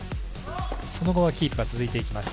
その後はキープが続いていきます。